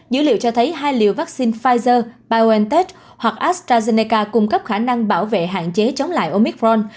dữ liệu cho thấy hai liều vaccine pfizer biontech hoặc astrazeneca cung cấp khả năng bảo vệ hạn chế chống lại omicron